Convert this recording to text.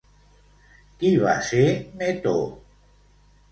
Qui va ser Metó?